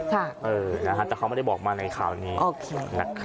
แต่เขาไม่ได้บอกว่านายข่าวที่นี้